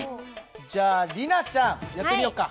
じゃあ里奈ちゃんやってみよっか。